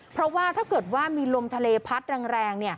เพราะว่าถ้าเกิดว่ามีลมทะเลพัดแรง